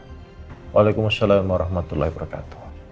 waalaikumsalam warahmatullahi wabarakatuh